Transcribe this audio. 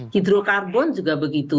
hidrokarbon juga begitu